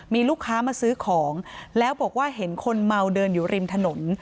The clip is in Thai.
มีลูกค้ามาซื้อของแล้วบอกว่าเห็นคนเมาเดินอยู่ริมถนน